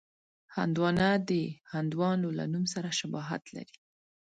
هندوانه د هندوانو له نوم سره شباهت لري.